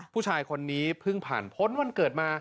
ผู้ชายคนนี้เพิ่งผ่านพ้นวันเกิดมา